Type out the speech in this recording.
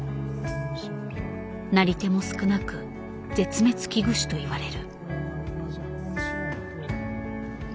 なり手も少なく「絶滅危惧種」といわれる。